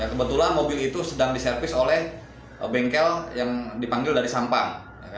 kebetulan mobil itu sedang diservis oleh bengkel yang dipanggil dari sampang